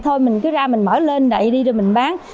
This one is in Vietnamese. thôi mình cứ ra mình mở lên đậy đi rồi mình bán